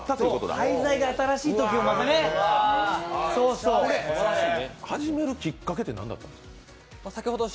廃材がまた新しい時をね。始めるきっかけって何だったんでしょうか。